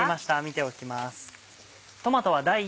見ておきます。